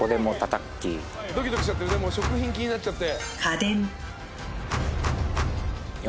ドキドキしちゃってるね食品気になっちゃって。